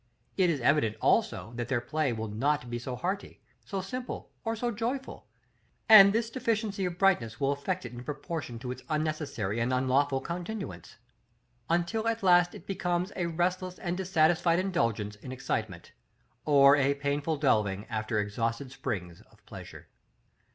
It is evident also that their play will not be so hearty, so simple, or so joyful; and this deficiency of brightness will affect it in proportion to its unnecessary and unlawful continuance, until at last it becomes a restless and dissatisfied indulgence in excitement, or a painful delving after exhausted springs of pleasure.